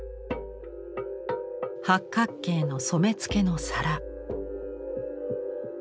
八角形の染付の皿。